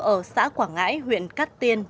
ở xã quảng ngãi huyện cát tiên